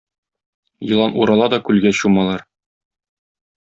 Елан урала да күлгә чумалар.